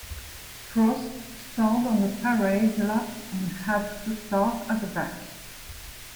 Prost stalled on the parade lap, and had to start at the back.